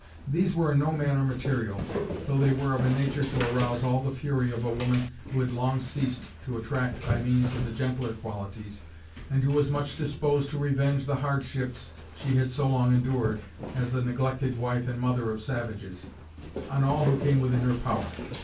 These were in no manner material, though they were of a nature to arouse all the fury of a woman who had long ceased to attract by means of the gentler qualities, and who was much disposed to revenge the hardships she had so long endured, as the neglected wife and mother of savages, on all who came within her power.